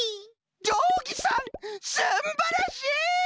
じょうぎさんすんばらしい！